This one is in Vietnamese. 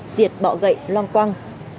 diệt bọ gậy loang quang